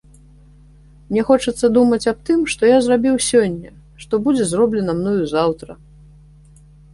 Мне хочацца думаць аб тым, што я зрабіў сёння, што будзе зроблена мною заўтра.